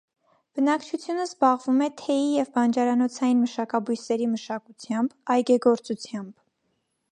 Բնակչությունը զբաղվում է թեյի և բանջարանոցային մշակաբույսերի մշակությամբ, այգեգործությամբ։